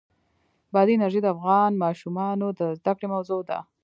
بادي انرژي د افغان ماشومانو د زده کړې موضوع ده.